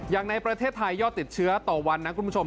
อย่างในประเทศไทยยอดติดเชื้อต่อวันนะคุณผู้ชม